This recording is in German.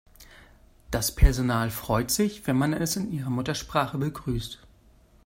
Das Personal freut sich, wenn man es in ihrer Muttersprache begrüßt.